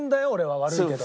悪いけど。